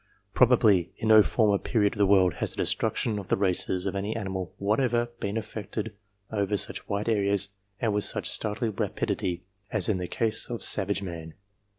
Probably in no former period of the world has the destruction of the races of any animal whatever been effected over such wide areas and with such startling rapidity as in the case of savage man.